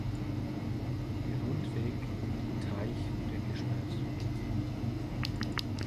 Der Rundweg um den Teich wurde gesperrt.